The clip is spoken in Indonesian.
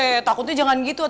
pak rete takutnya jangan gitu